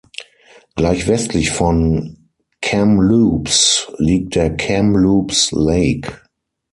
Gleich westlich von Kamloops liegt der Kamloops Lake.